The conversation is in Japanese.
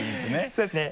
そうですね。